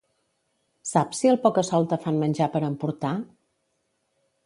Saps si al Pocasolta fan menjar per emportar?